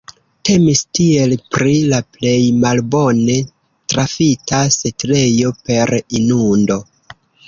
Temis tiel pri la plej malbone trafita setlejo per inundo.